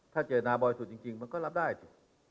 ชัดเจนหน้าบ่อยสุดจริงมันก็รับได้สิ